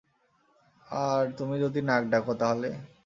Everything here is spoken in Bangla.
আর তুমি যদি নাক ডাকো, তাহলে?